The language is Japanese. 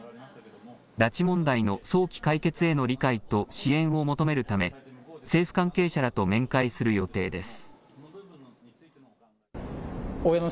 拉致問題の早期解決への理解と支援を求めるため、政府関係者らと面会する予定です。